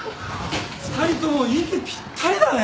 ２人とも息ぴったりだね。